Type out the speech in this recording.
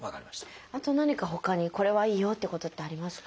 あと何かほかにこれはいいよってことってありますか？